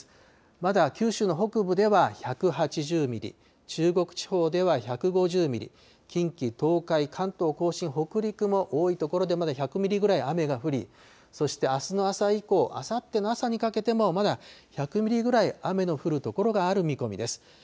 まだ九州の北部では１８０ミリ、中国地方では１５０ミリ、近畿、東海、関東甲信、北陸も多い所でまだ１００ミリぐらい雨が降り、そしてあすの朝以降、あさっての朝にかけてもまだ１００ミリぐらい雨の降る所がある見込みです。